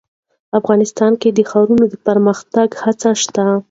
افغانستان کې د ښارونو د پرمختګ هڅې شته.